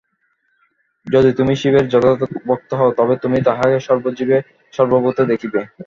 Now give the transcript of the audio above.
যদি তুমি শিবের যথার্থ ভক্ত হও, তবে তুমি তাঁহাকে সর্বজীবে ও সর্বভূতে দেখিবে।